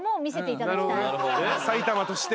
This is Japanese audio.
埼玉として？